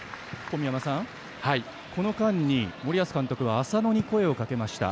この間に森保監督は浅野に声をかけました。